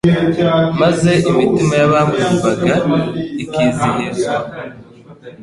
maze imitima y'abamwumvaga ikizihizwa